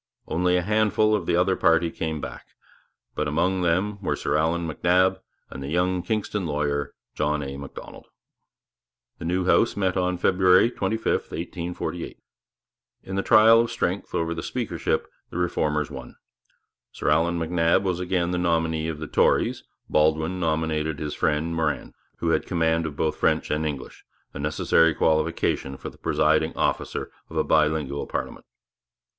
Only a handful of the other party came back; but among them were Sir Allan MacNab and the young Kingston lawyer, John A. Macdonald. The new House met on February 25, 1848. In the trial of strength over the Speakership the Reformers won. Sir Allan MacNab was again the nominee of the Tories; Baldwin nominated his friend, Morin, who had command of both French and English, a necessary qualification for the presiding officer of a bilingual parliament.